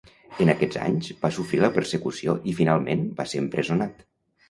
En aquests anys, va sofrir la persecució i finalment va ser empresonat.